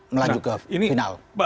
melanjut ke final